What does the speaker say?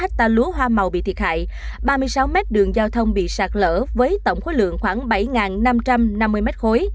một năm mươi chín ha lúa hoa màu bị thiệt hại ba mươi sáu m đường giao thông bị sạt lở với tổng khối lượng khoảng bảy năm trăm năm mươi m ba